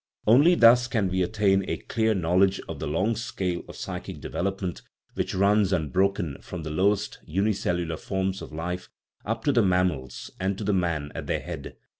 Only thus can we attain a clear knowl edge of the long scale of psychic development which runs unbroken from the lowest, unicellular forms of life up to the mammals, and to man at their head.